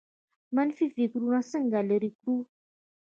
منفي فکرونه څنګه لرې کړو؟